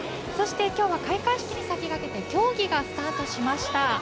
そして今日は開会式に先駆けて競技がスタートしました。